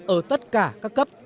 ở tất cả các cấp